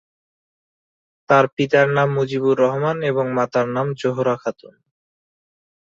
তার পিতার নাম মুজিবুর রহমান এবং মাতার নাম জোহরা খাতুন।